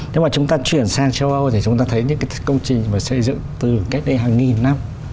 nếu mà chúng ta chuyển sang châu âu thì chúng ta thấy những cái công trình mà xây dựng từ cách đây hàng nghìn năm